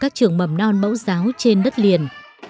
các trường mầm non bẫu giáo trên đất liền